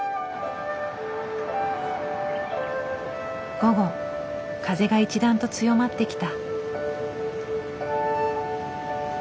午後風が一段と強まってきた。